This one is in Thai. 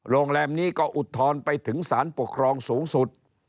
โรงแรมนี้ก็อุทธรณ์ไปถึงสารปกครองสูงสุด